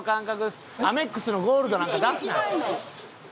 アメックスのゴールドなんか出すなよ。